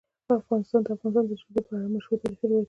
افغانستان د د افغانستان جلکو په اړه مشهور تاریخی روایتونه لري.